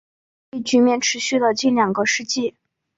这一局面持续了近两个世纪。